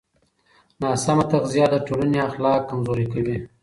ناسمه تغذیه د ټولنې اخلاق کمزوري کوي.